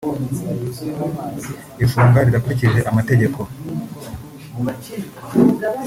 ifunga ridakurikije amategeko